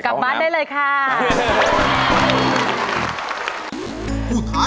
กลับบ้านได้เลยค่ะ